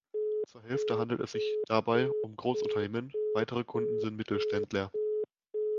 Zur Hälfte handelt es sich dabei um Großunternehmen; weitere Kunden sind Mittelständler.